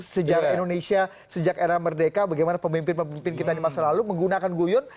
sejarah indonesia sejak era merdeka bagaimana pemimpin pemimpin kita di masa lalu menggunakan guyun